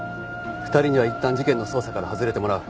２人にはいったん事件の捜査から外れてもらう。